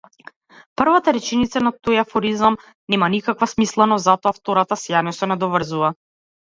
Првата реченица на тој афоризам нема никаква смисла, но затоа втората сјајно се надоврзува.